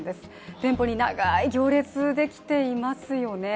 店舗に長い行列ができていますよね。